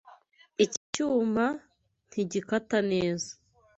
Iki cyuma ntigikata neza.